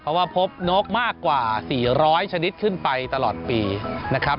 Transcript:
เพราะว่าพบนกมากกว่า๔๐๐ชนิดขึ้นไปตลอดปีนะครับ